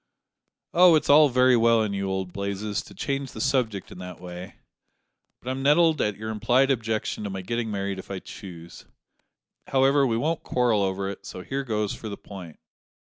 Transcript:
"Oh! it's all very well in you, old Blazes, to change the subject in that way, but I'm nettled at your implied objection to my getting married if I choose. However, we won't quarrel over it, so here goes for the point."